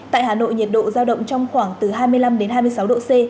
tại hà nội nhiệt độ giao động trong khoảng từ hai mươi năm đến hai mươi sáu độ c